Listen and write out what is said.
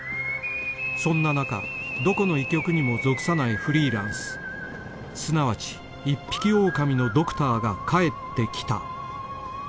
そんな中どこの医局にも属さないフリーランスすなわち一匹狼のドクターが帰ってきた